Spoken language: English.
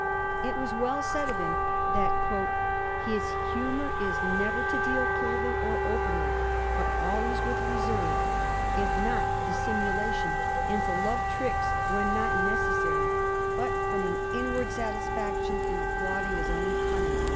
It was well said of him that ^ his humour is never to deal clearly or openly, but always with reserve, if not dissimulation, and to love tricks when not neces sary, but from an inward satis&ction in applauding his own cunning.'